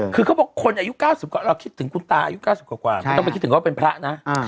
คือเขาบอกคนอายุ๙๐กว่าเราคิดถึงคุณตาอายุ๙๐กว่าไม่ต้องไปคิดถึงว่าเป็นพระนะ